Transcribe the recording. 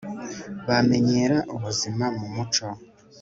bamenyera ubuzima mu muco